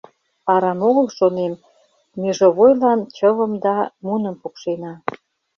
Арам огыл, шонем, межовойлан чывым да муным пукшена.